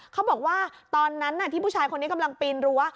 เขาบอกว่าตอนนั้นที่ผู้ชายคนนี้กำลังปีนรั้ว